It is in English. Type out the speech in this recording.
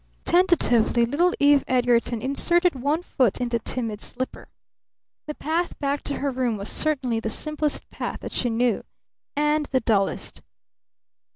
Tentatively little Eve Edgarton inserted one foot in the timid slipper. The path back to her room was certainly the simplest path that she knew and the dullest.